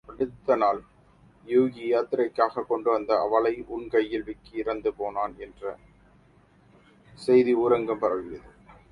அடுத்த நாள், யூகி யாத்திரைக்காகக் கொண்டுவந்த அவலை உண்கையில் விக்கி இறந்து போனான் என்ற செய்தி ஊரெங்கும் பரவியது.